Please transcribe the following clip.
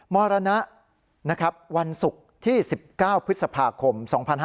มรณะวันศุกร์ที่๑๙พฤษภาคม๒๕๕๙